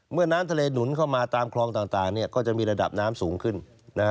น้ำทะเลหนุนเข้ามาตามคลองต่างก็จะมีระดับน้ำสูงขึ้น